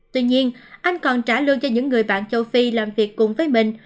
tuy nhiên anh còn trả lương cho những người bạn châu phi làm việc cùng với mình